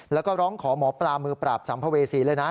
แล้วก็ร้องขอหมอปลามือปราบสัมภเวษีเลยนะ